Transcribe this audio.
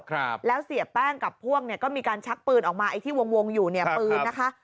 ครับแล้วเสียแป้งกับพวกเนี้ยก็มีการชักปืนออกมาไอ้ที่วงวงอยู่เนี่ยปืนนะคะ